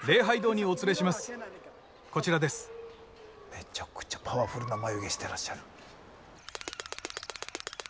めちゃくちゃパワフルな眉毛してらっしゃる。